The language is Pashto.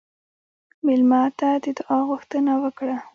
مېلمه ته د دعا غوښتنه وکړه.